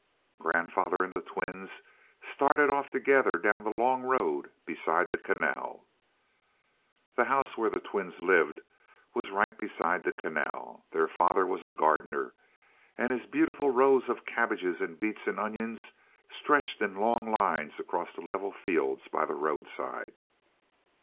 Grandfather and the twins started off together down the long road beside the canal. The house where the twins lived was right beside the canal. Their father was a gardener, and his beautiful rows of cabbages and beets and onions stretched in long lines across the level fields by the roadside.